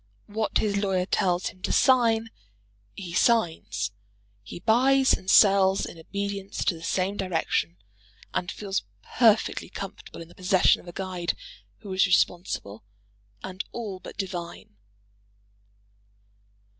What his lawyer tells him to sign, he signs. He buys and sells in obedience to the same direction, and feels perfectly comfortable in the possession of a guide who is responsible and all but divine.